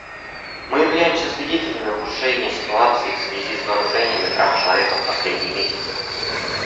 Мы являемся свидетелями ухудшения ситуации в связи с нарушениями прав человека в последние месяцы.